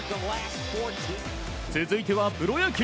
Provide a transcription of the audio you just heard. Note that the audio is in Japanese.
続いてはプロ野球。